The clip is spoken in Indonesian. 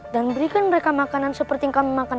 dan berikan mereka makanan seperti yang kami makan